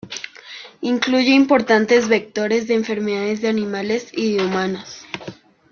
Incluye importantes vectores de enfermedades de animales y de humanos.